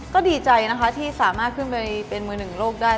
ก็ดีใจนะคะที่สามารถขึ้นไปเป็นมือหนึ่งโลกได้